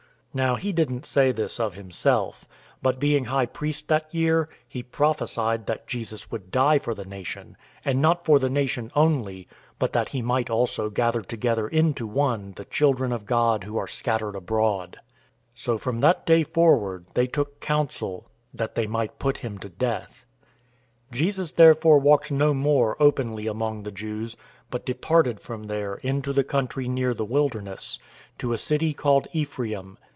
011:051 Now he didn't say this of himself, but being high priest that year, he prophesied that Jesus would die for the nation, 011:052 and not for the nation only, but that he might also gather together into one the children of God who are scattered abroad. 011:053 So from that day forward they took counsel that they might put him to death. 011:054 Jesus therefore walked no more openly among the Jews, but departed from there into the country near the wilderness, to a city called Ephraim.